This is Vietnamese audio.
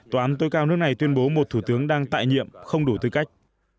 tòa án tối cao nước này tuyên bố một thủ tướng đang tại nhiệm không đủ tư cách